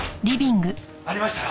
ありましたよ。